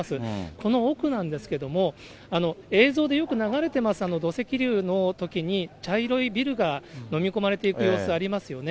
この奥なんですけれども、映像でよく流れてます、土石流のときに、茶色いビルが飲み込まれていく様子、ありますよね。